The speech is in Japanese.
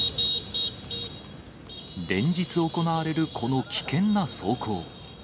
連日行われるこの危険な走行。